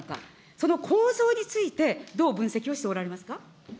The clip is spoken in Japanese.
その構造について、どう分析をしておられますか。